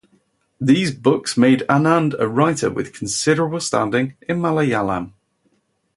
These books made Anand a writer with considerable standing in Malayalam.